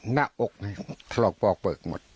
หน้าอกถลอกปอกเปลือกหมด